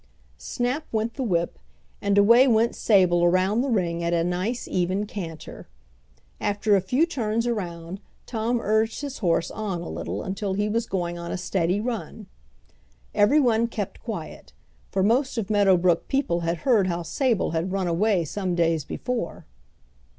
Snap went the whip, and away went Sable around the ring at a nice even canter. After a few turns around Tom urged his horse on a little until he was going on a steady run. Every one kept quiet, for most of Meadow Brook people had heard how Sable had run away some days before.